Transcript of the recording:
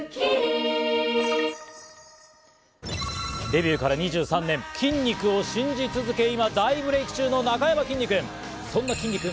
デビューから２３年、筋肉を信じ続け、今、大ブレイク中のなかやまきんに君。